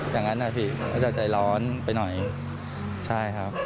อย่างนั้นนะพี่ก็จะใจร้อนไปหน่อยใช่ครับ